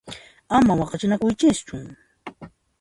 Ama waqachinakuychischu!